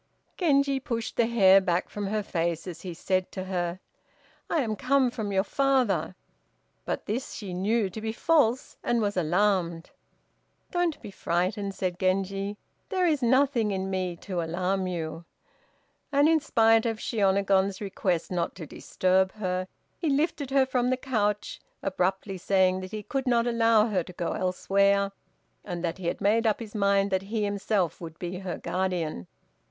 Genji pushed the hair back from her face, as he said to her, "I am come from your father;" but this she knew to be false, and was alarmed. "Don't be frightened," said Genji; "there is nothing in me to alarm you." And in spite of Shiônagon's request not to disturb her, he lifted her from the couch, abruptly saying that he could not allow her to go elsewhere, and that he had made up his mind that he himself would be her guardian.